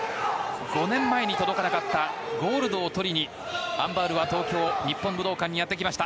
５年前に届かなかったゴールドをとりにアン・バウルは東京の日本武道館にやってきました。